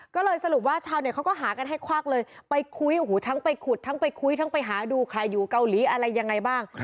ก็เลยสรุปว่าชาวเนทเขาก็หากันให้ควากเลยไปคุยทั้งไปหาดูใครอยู่เกาหลีอะไรยังไงบ้าง